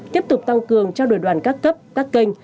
tiếp tục tăng cường cho đội đoàn các cấp các kênh